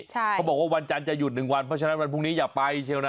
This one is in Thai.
เขาบอกว่าวันจันทร์จะหยุด๑วันเพราะฉะนั้นวันพรุ่งนี้อย่าไปเชียวนะ